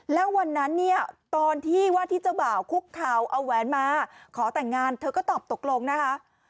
แล้ววันนั้นเนี่ยตอนที่ว่าที่เจ้าบ่าวคุกเข่าเอาแหวนมาขอแต่งงานเธอก็ตอบตกลงนะคะ